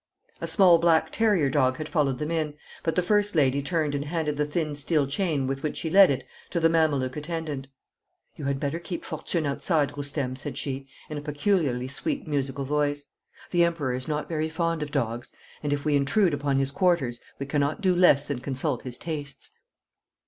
A small black terrier dog had followed them in, but the first lady turned and handed the thin steel chain with which she led it to the Mameluke attendant. 'You had better keep Fortune outside, Roustem,' said she, in a peculiarly sweet musical voice. 'The Emperor is not very fond of dogs, and if we intrude upon his quarters we cannot do less than consult his tastes.